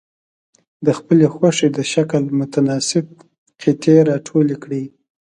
د خپلې خوښې د شکل متناسب قطي را ټولې کړئ.